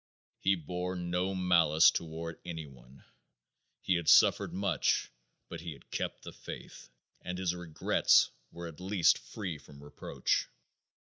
He bore no malice toward any one. He had suffered much, but he had kept the faith, and his regrets were at least free from reproach.